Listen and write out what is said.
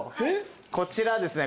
こちらですね